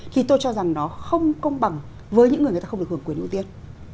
thì tôi cho rằng nó không công bằng với những người người ta không được hưởng quyền ưu tiên